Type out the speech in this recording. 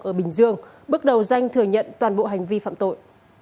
ở bình dương bước đầu danh thừa nhận toàn bộ hành vi phạm tội